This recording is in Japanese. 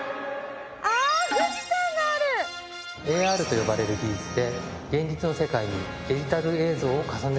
ＡＲと呼ばれる技術で現実の世界にデジタル映像を重ねる事ができます。